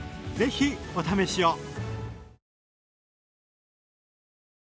ぜひお試しを！